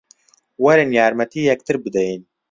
وەرن یارمەتی یەکتر بدەین